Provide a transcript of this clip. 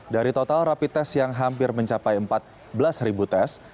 dari total rapid test yang hampir mencapai empat belas tes